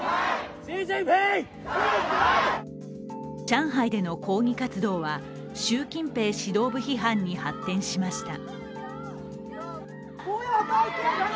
上海での抗議活動は習近平指導部批判に発展しました。